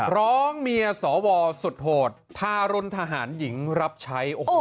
ร้องเมียสวสุดโหดทารุณทหารหญิงรับใช้